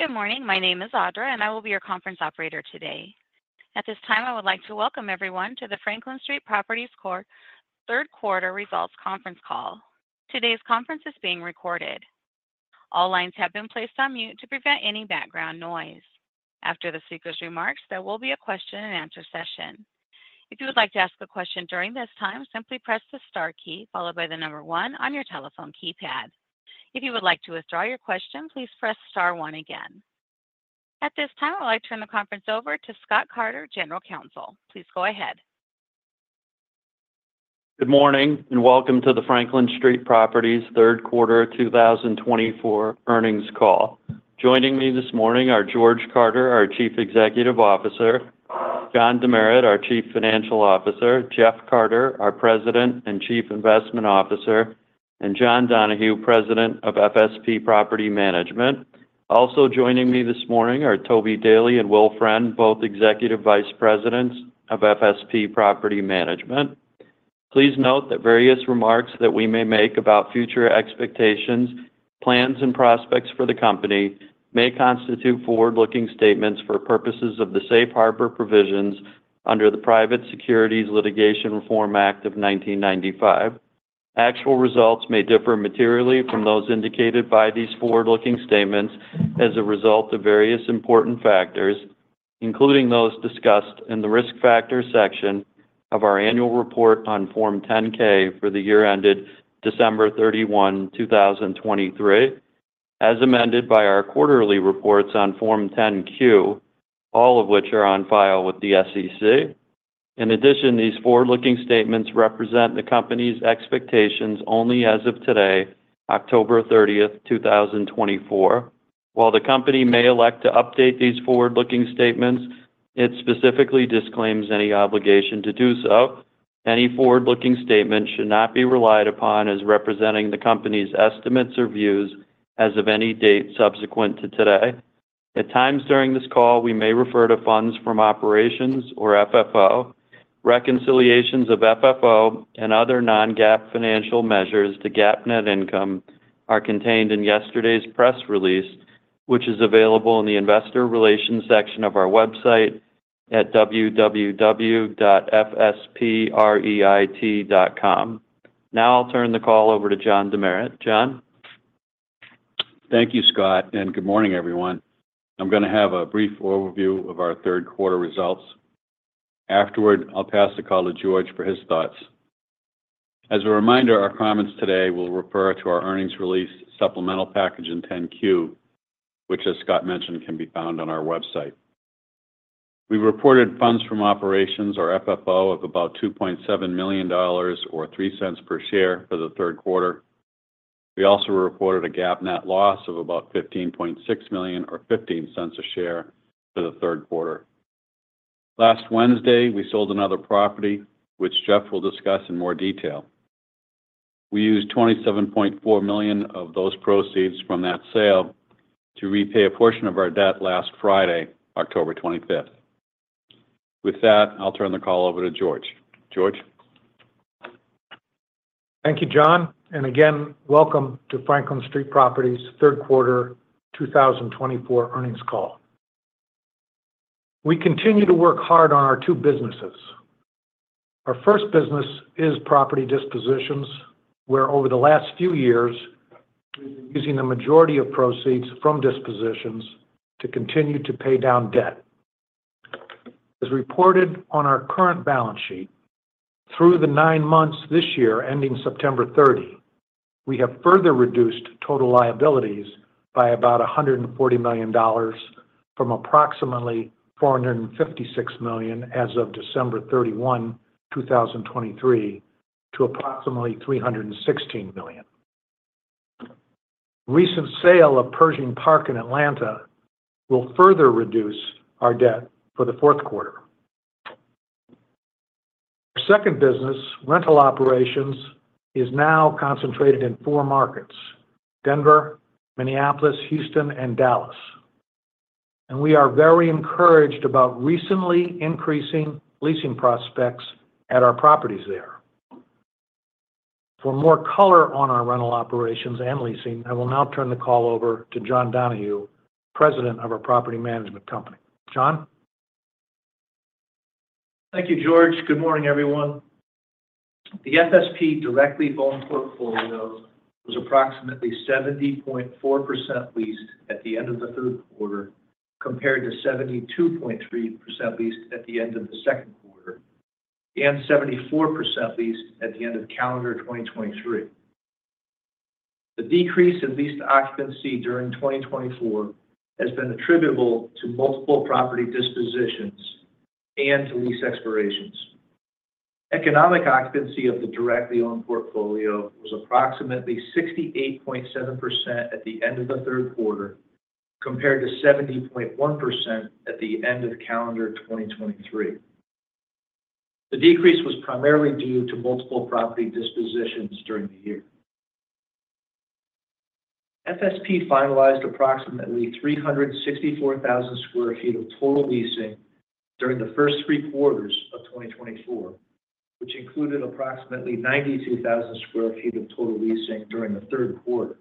Good morning. My name is Audra, and I will be your conference operator today. At this time, I would like to welcome everyone to the Franklin Street Properties Corp. Third Quarter Results Conference Call. Today's conference is being recorded. All lines have been placed on mute to prevent any background noise. After the speaker's remarks, there will be a question-and-answer session. If you would like to ask a question during this time, simply press the star key followed by the number one on your telephone keypad. If you would like to withdraw your question, please press star one again. At this time, I would like to turn the conference over to Scott Carter, General Counsel. Please go ahead. Good morning and welcome to the Franklin Street Properties Third Quarter 2024 Earnings Call. Joining me this morning are George Carter, our Chief Executive Officer, John Demeritt, our Chief Financial Officer, Jeff Carter, our President and Chief Investment Officer, and John Donahue, President of FSP Property Management. Also joining me this morning are Toby Daley and Will Friend, both Executive Vice Presidents of FSP Property Management. Please note that various remarks that we may make about future expectations, plans, and prospects for the company may constitute forward-looking statements for purposes of the safe harbor provisions under the Private Securities Litigation Reform Act of 1995. Actual results may differ materially from those indicated by these forward-looking statements as a result of various important factors, including those discussed in the risk factor section of our annual report on Form 10-K for the year ended December 31, 2023, as amended by our quarterly reports on Form 10-Q, all of which are on file with the SEC. In addition, these forward-looking statements represent the company's expectations only as of today, October 30, 2024. While the company may elect to update these forward-looking statements, it specifically disclaims any obligation to do so. Any forward-looking statement should not be relied upon as representing the company's estimates or views as of any date subsequent to today. At times during this call, we may refer to funds from operations or FFO. Reconciliations of FFO and other non-GAAP financial measures to GAAP net income are contained in yesterday's press release, which is available in the investor relations section of our website at www.fspreit.com. Now I'll turn the call over to John Demeritt. John? Thank you, Scott, and good morning, everyone. I'm going to have a brief overview of our third quarter results. Afterward, I'll pass the call to George for his thoughts. As a reminder, our comments today will refer to our earnings release supplemental package in 10-Q, which, as Scott mentioned, can be found on our website. We reported funds from operations or FFO of about $2.7 million or $0.03 per share for the third quarter. We also reported a GAAP net loss of about $15.6 million or $0.15 a share for the third quarter. Last Wednesday, we sold another property, which Jeff will discuss in more detail. We used $27.4 million of those proceeds from that sale to repay a portion of our debt last Friday, October 25th. With that, I'll turn the call over to George. George. Thank you, John. And again, welcome to Franklin Street Properties Third Quarter 2024 Earnings Call. We continue to work hard on our two businesses. Our first business is property dispositions, where over the last few years, we've been using the majority of proceeds from dispositions to continue to pay down debt. As reported on our current balance sheet, through the nine months this year ending September 30, we have further reduced total liabilities by about $140 million from approximately $456 million as of December 31, 2023, to approximately $316 million. Recent sale of Pershing Park in Atlanta will further reduce our debt for the fourth quarter. Our second business, rental operations, is now concentrated in four markets: Denver, Minneapolis, Houston, and Dallas. And we are very encouraged about recently increasing leasing prospects at our properties there. For more color on our rental operations and leasing, I will now turn the call over to John Donahue, President of our property management company. John? Thank you, George. Good morning, everyone. The FSP directly owned portfolio was approximately 70.4% leased at the end of the third quarter compared to 72.3% leased at the end of the second quarter and 74% leased at the end of calendar 2023. The decrease in leased occupancy during 2024 has been attributable to multiple property dispositions and lease expirations. Economic occupancy of the directly owned portfolio was approximately 68.7% at the end of the third quarter compared to 70.1% at the end of calendar 2023. The decrease was primarily due to multiple property dispositions during the year. FSP finalized approximately 364,000 sq ft of total leasing during the first three quarters of 2024, which included approximately 92,000 sq ft of total leasing during the third quarter.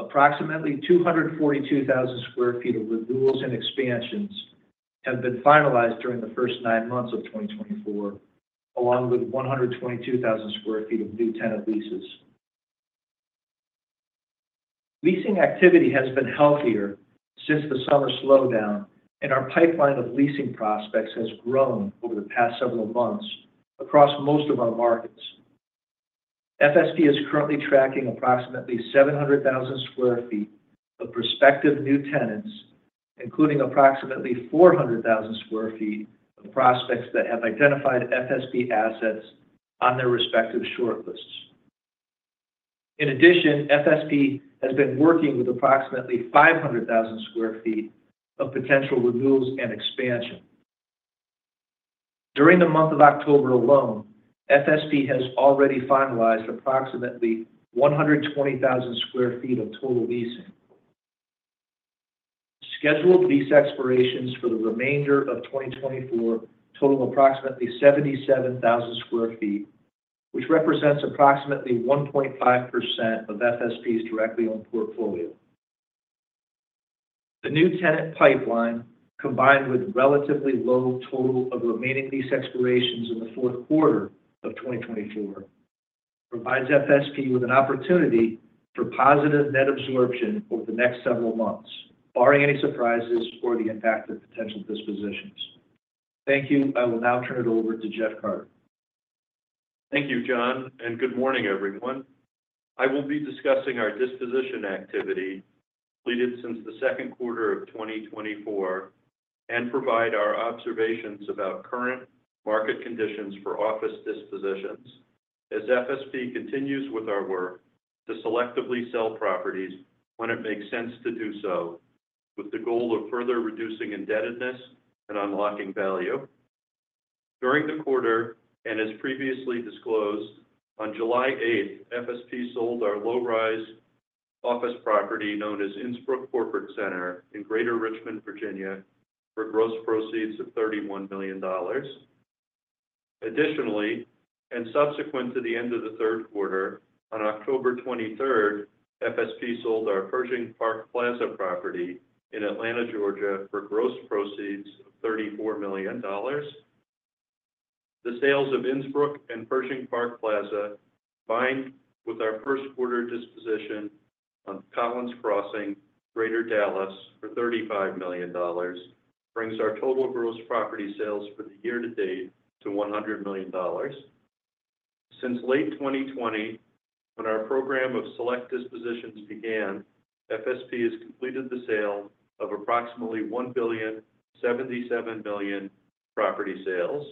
Approximately 242,000 sq ft of renewals and expansions have been finalized during the first nine months of 2024, along with 122,000 sq ft of new tenant leases. Leasing activity has been healthier since the summer slowdown, and our pipeline of leasing prospects has grown over the past several months across most of our markets. FSP is currently tracking approximately 700,000 sq ft of prospective new tenants, including approximately 400,000 sq ft of prospects that have identified FSP assets on their respective shortlists. In addition, FSP has been working with approximately 500,000 sq ft of potential renewals and expansion. During the month of October alone, FSP has already finalized approximately 120,000 sq ft of total leasing. Scheduled lease expirations for the remainder of 2024 total approximately 77,000 sq ft, which represents approximately 1.5% of FSP's directly owned portfolio. The new tenant pipeline, combined with relatively low total of remaining lease expirations in the fourth quarter of 2024, provides FSP with an opportunity for positive net absorption over the next several months, barring any surprises or the impact of potential dispositions. Thank you. I will now turn it over to Jeff Carter. Thank you, John, and good morning, everyone. I will be discussing our disposition activity completed since the second quarter of 2024 and provide our observations about current market conditions for office dispositions. As FSP continues with our work to selectively sell properties when it makes sense to do so, with the goal of further reducing indebtedness and unlocking value. During the quarter, and as previously disclosed, on July 8th, FSP sold our low-rise office property known as Innsbrook Corporate Center in Greater Richmond, Virginia, for gross proceeds of $31 million. Additionally, and subsequent to the end of the third quarter, on October 23rd, FSP sold our Pershing Park Plaza property in Atlanta, Georgia, for gross proceeds of $34 million. The sales of Innsbruck and Pershing Park Plaza, combined with our first quarter disposition on Collins Crossing, Greater Dallas for $35 million, brings our total gross property sales for the year to date to $100 million. Since late 2020, when our program of select dispositions began, FSP has completed the sale of approximately $1.077 billion property sales.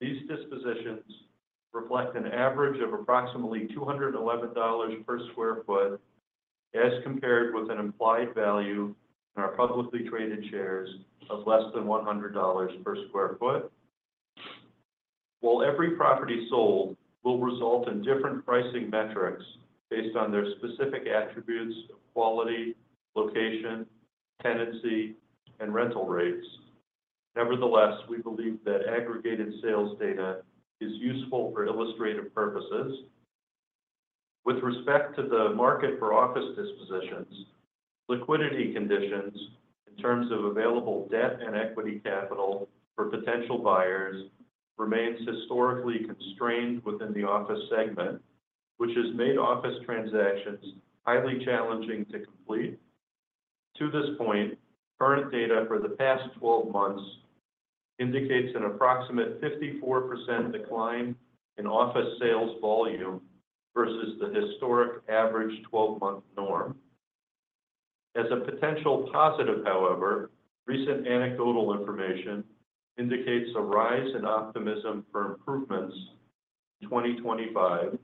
These dispositions reflect an average of approximately $211 per sq ft as compared with an implied value in our publicly traded shares of less than $100 per sq ft. While every property sold will result in different pricing metrics based on their specific attributes of quality, location, tenancy, and rental rates, nevertheless, we believe that aggregated sales data is useful for illustrative purposes. With respect to the market for office dispositions, liquidity conditions in terms of available debt and equity capital for potential buyers remain historically constrained within the office segment, which has made office transactions highly challenging to complete. To this point, current data for the past 12 months indicates an approximate 54% decline in office sales volume versus the historic average 12-month norm. As a potential positive, however, recent anecdotal information indicates a rise in optimism for improvements in 2025,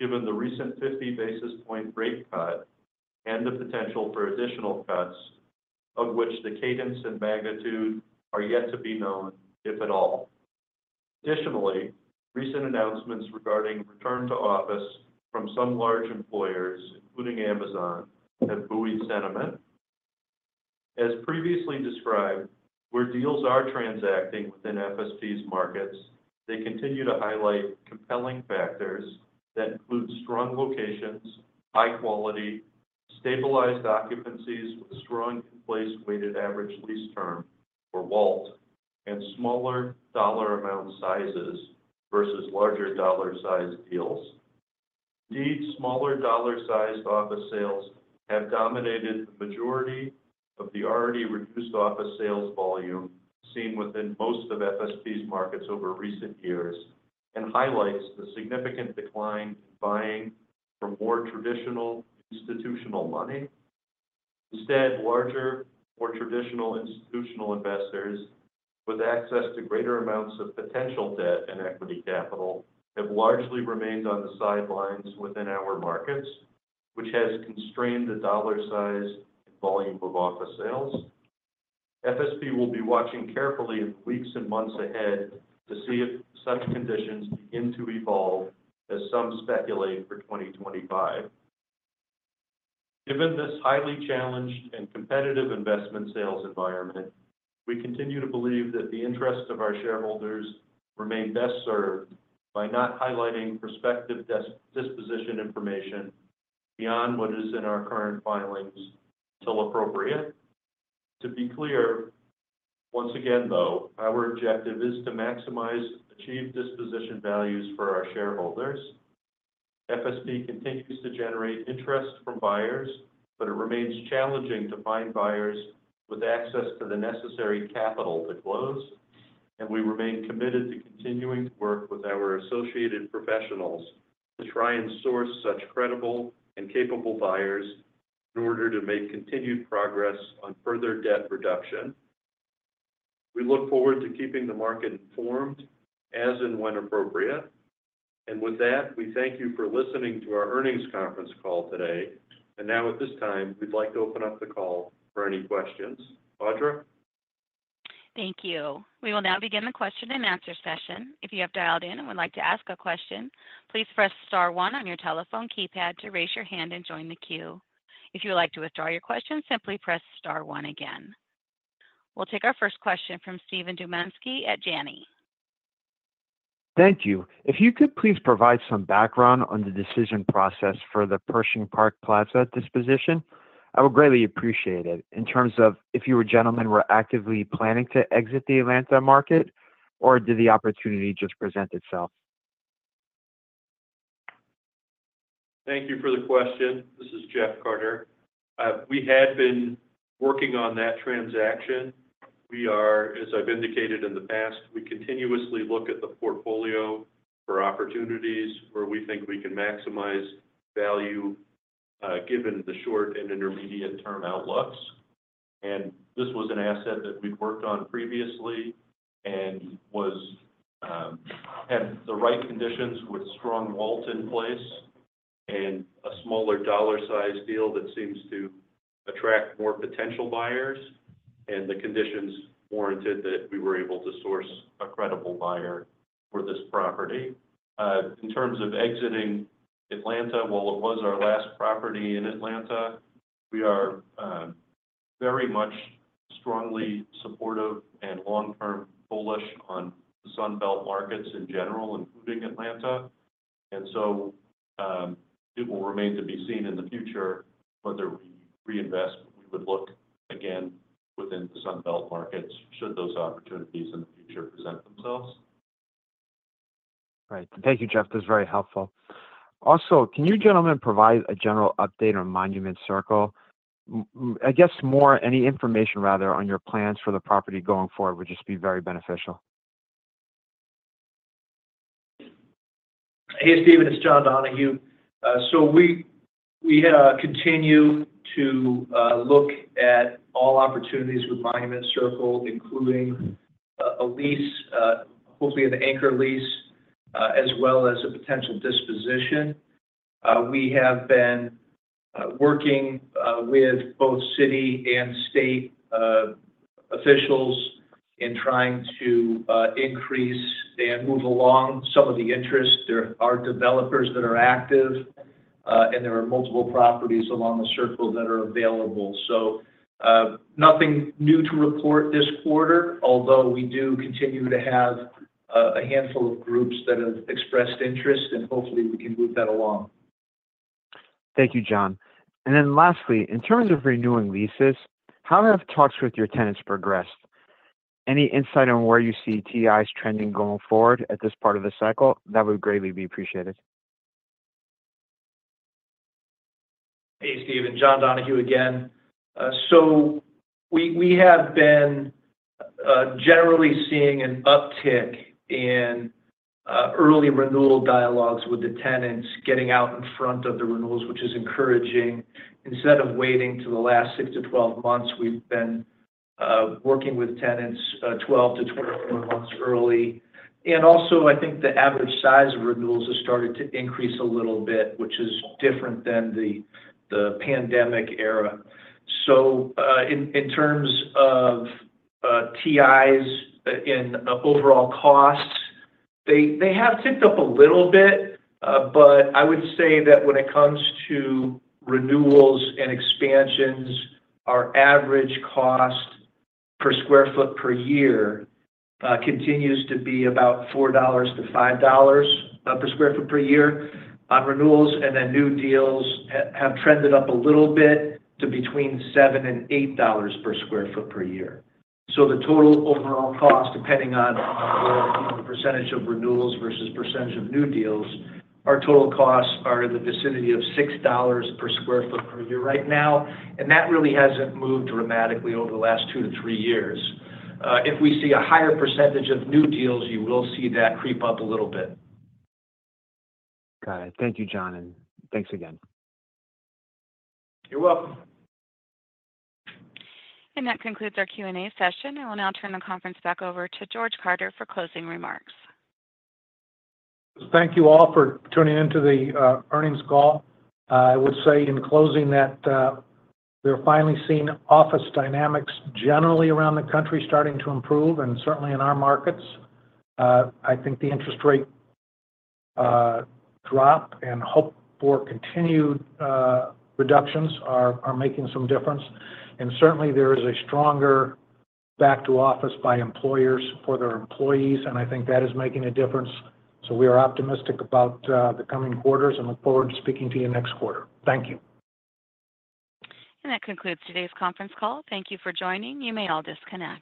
given the recent 50 basis point rate cut and the potential for additional cuts, of which the cadence and magnitude are yet to be known, if at all. Additionally, recent announcements regarding return to office from some large employers, including Amazon, have buoyed sentiment. As previously described, where deals are transacting within FSP's markets, they continue to highlight compelling factors that include strong locations, high quality, stabilized occupancies with strong in-place weighted average lease term or WALT, and smaller dollar amount sizes versus larger dollar size deals. Indeed, smaller dollar sized office sales have dominated the majority of the already reduced office sales volume seen within most of FSP's markets over recent years and highlights the significant decline in buying from more traditional institutional money. Instead, larger, more traditional institutional investors with access to greater amounts of potential debt and equity capital have largely remained on the sidelines within our markets, which has constrained the dollar size and volume of office sales. FSP will be watching carefully in the weeks and months ahead to see if such conditions begin to evolve, as some speculate, for 2025. Given this highly challenged and competitive investment sales environment, we continue to believe that the interests of our shareholders remain best served by not highlighting prospective disposition information beyond what is in our current filings until appropriate. To be clear, once again, though, our objective is to maximize achieved disposition values for our shareholders. FSP continues to generate interest from buyers, but it remains challenging to find buyers with access to the necessary capital to close. And we remain committed to continuing to work with our associated professionals to try and source such credible and capable buyers in order to make continued progress on further debt reduction. We look forward to keeping the market informed as and when appropriate. And with that, we thank you for listening to our earnings conference call today. And now, at this time, we'd like to open up the call for any questions. Audra? Thank you. We will now begin the question and answer session. If you have dialed in and would like to ask a question, please press star one on your telephone keypad to raise your hand and join the queue. If you would like to withdraw your question, simply press star one again. We'll take our first question from Steven Dumanski at Janney. Thank you. If you could please provide some background on the decision process for the Pershing Park Plaza disposition, I would greatly appreciate it in terms of if you were a gentleman who were actively planning to exit the Atlanta market, or did the opportunity just present itself? Thank you for the question. This is Jeff Carter. We had been working on that transaction. We are, as I've indicated in the past, we continuously look at the portfolio for opportunities where we think we can maximize value given the short and intermediate-term outlooks. And this was an asset that we've worked on previously and had the right conditions with strong WALT in place and a smaller dollar size deal that seems to attract more potential buyers. And the conditions warranted that we were able to source a credible buyer for this property. In terms of exiting Atlanta, while it was our last property in Atlanta, we are very much strongly supportive and long-term bullish on the Sunbelt markets in general, including Atlanta. And so it will remain to be seen in the future whether we reinvest. We would look again within the Sunbelt markets should those opportunities in the future present themselves. Right. Thank you, Jeff. This is very helpful. Also, can you gentlemen provide a general update on Monument Circle? I guess, or any information, rather, on your plans for the property going forward would just be very beneficial. Hey, Steven. It's John Donahue. So we continue to look at all opportunities with Monument Circle, including a lease, hopefully an anchor lease, as well as a potential disposition. We have been working with both city and state officials in trying to increase and move along some of the interests. There are developers that are active, and there are multiple properties along the circle that are available. So nothing new to report this quarter, although we do continue to have a handful of groups that have expressed interest, and hopefully we can move that along. Thank you, John. And then lastly, in terms of renewing leases, how have talks with your tenants progressed? Any insight on where you see TIs trending going forward at this part of the cycle? That would greatly be appreciated. Hey, Steven. John Donahue again. So we have been generally seeing an uptick in early renewal dialogues with the tenants getting out in front of the renewals, which is encouraging. Instead of waiting to the last six to 12 months, we've been working with tenants 12-24 months early. And also, I think the average size of renewals has started to increase a little bit, which is different than the pandemic era. So in terms of TI's overall costs, they have ticked up a little bit, but I would say that when it comes to renewals and expansions, our average cost per sq ft per year continues to be about $4-$5 per sq ft per year on renewals. And then new deals have trended up a little bit to between $7 and $8 per sq ft per year. The total overall cost, depending on the percentage of renewals versus percentage of new deals, our total costs are in the vicinity of $6 per sq ft per year right now. That really hasn't moved dramatically over the last two-to-three years. If we see a higher percentage of new deals, you will see that creep up a little bit. Got it. Thank you, John, and thanks again. You're welcome. And that concludes our Q&A session. I will now turn the conference back over to George Carter for closing remarks. Thank you all for tuning into the earnings call. I would say in closing that we're finally seeing office dynamics generally around the country starting to improve, and certainly in our markets. I think the interest rate drop and hope for continued reductions are making some difference, and certainly, there is a stronger back to office by employers for their employees, and I think that is making a difference, so we are optimistic about the coming quarters and look forward to speaking to you next quarter. Thank you. That concludes today's conference call. Thank you for joining. You may all disconnect.